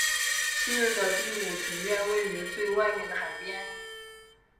昔日的第五庭院位于最外面的海边。